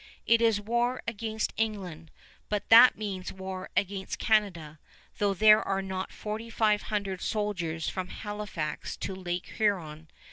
It is war against England; but that means war against Canada, though there are not forty five hundred soldiers from Halifax to Lake Huron.